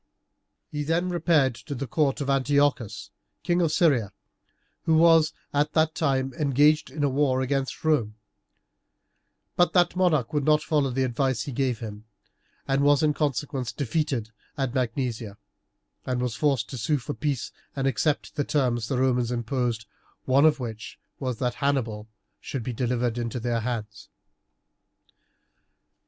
He then repaired to the court of Antiochus, King of Syria, who was at that time engaged in a war against Rome; but that monarch would not follow the advice he gave him, and was in consequence defeated at Magnesia, and was forced to sue for peace and to accept the terms the Romans imposed, one of which was that Hannibal should be delivered into their hands.